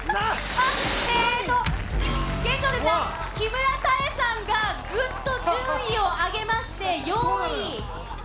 えーと、現在、木村多江さんがぐっと順位を上げまして、４位。